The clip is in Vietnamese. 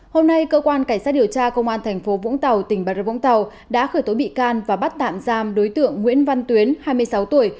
hôm nay cơ quan cảnh sát điều tra công an tp vũng tàu tỉnh bà rất vũng tàu đã khởi tối bị can và bắt tạm giam đối tượng nguyễn văn tuyến hai mươi sáu tuổi